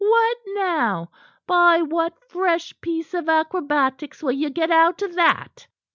What now? By what fresh piece of acrobatics will you get out of that?"